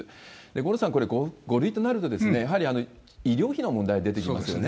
五郎さん、これ、５類となると、やはり医療費の問題が出てきますよね。